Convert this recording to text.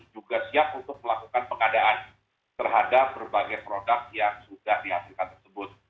juga siap untuk melakukan pengadaan terhadap berbagai produk yang sudah dihasilkan tersebut